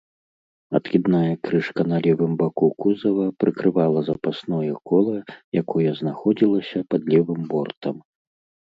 Адкідная крышка на левым баку кузава прыкрывала запасное кола, якое знаходзілася пад левым бортам.